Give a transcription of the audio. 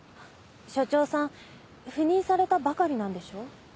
署長さん赴任されたばかりなんでしょ？